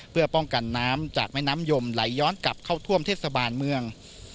เพื่อป้องกันน้ำจากแม่น้ำยมไหลย้อนกลับเข้าท่วมเทศบาลเมือง